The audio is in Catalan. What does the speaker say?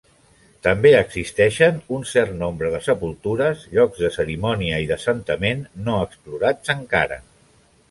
També existeixen un cert nombre de sepultures, llocs de cerimònia i d'assentament no explorats encara.